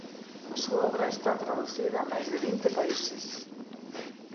A súa obra está traducida a máis de vinte países.